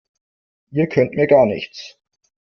Ihr könnt mir gar nichts!